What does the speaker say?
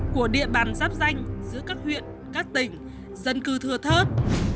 của địa bàn giáp danh giữa các huyện các tỉnh dân cư thừa thớt